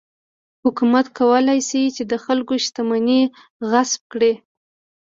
حکومت کولای شي چې د خلکو شتمنۍ غصب کړي.